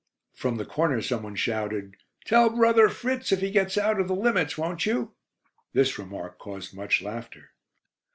From the corner some one shouted: "Tell brother Fritz if he gets out of 'the limits,' won't you?" This remark caused much laughter.